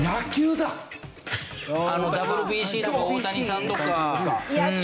ＷＢＣとか大谷さんとか。